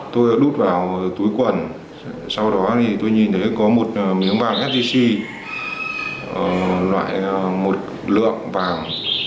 tôi đút vào túi quần sau đó thì tôi nhìn thấy có một miếng vàng sgc loại một lượng vàng